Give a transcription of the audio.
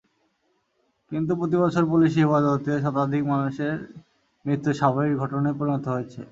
কিন্তু প্রতিবছর পুলিশি হেফাজতে শতাধিক মানুষের মৃত্যু স্বাভাবিক ঘটনায় পরিণত হয়েছে।